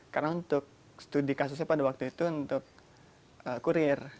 karena untuk studi kasusnya pada waktu itu untuk kurir